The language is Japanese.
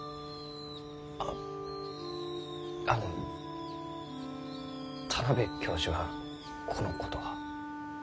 ああの田邊教授はこのことは？